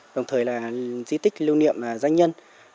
đồng thời là di tích lưu niệm doanh nhân